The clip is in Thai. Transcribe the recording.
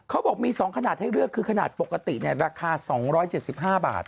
เขาบอกมี๒ขนาดให้เลือกคือขนาดปกติเนี่ยราคา๒๗๕บาท